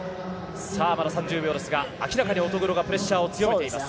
まだ３０秒ですが明らかに乙黒がプレッシャーを強めています。